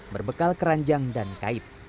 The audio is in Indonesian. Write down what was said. berbekal keranjang dan kait